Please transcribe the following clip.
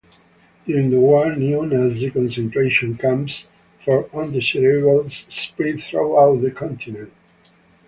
During the war, new Nazi concentration camps for "undesirables" spread throughout the continent.